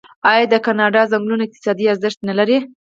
آیا د کاناډا ځنګلونه اقتصادي ارزښت نلري؟